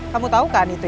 kamu tau kan itu ya